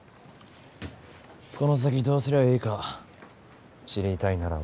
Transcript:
この先どうすりゃえいか知りたいならわしと来い。